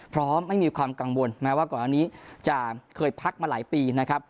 ไม่มีความกังวลแม้ว่าก่อนอันนี้จะเคยพักมาหลายปีนะครับ